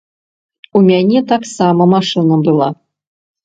У мяне такая машына была.